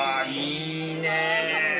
いいね。